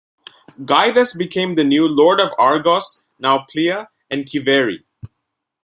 Guy thus became the new "Lord of Argos, Nauplia and Kiveri".